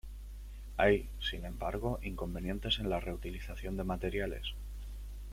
Hay, sin embargo, inconvenientes en la reutilización de materiales.